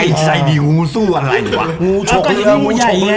ไอ้ใจดีงูสู้อะไรดีกว่า